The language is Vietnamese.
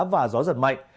và gió giật mạnh